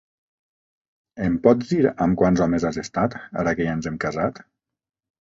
Em pots dir amb quants homes has estat, ara que ja ens hem casat?